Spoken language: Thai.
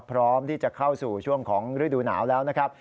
พร้อมที่จะเข้าสู่ช่วงของฤดูหนาวแล้วนะครับ